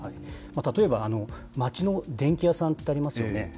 例えば、街の電気屋さんってありますよね。